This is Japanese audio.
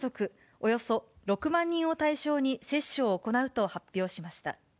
およそ６万人を対象に接種を行うと発表しました。